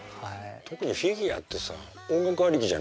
特にフィギュアってさ音楽ありきじゃない？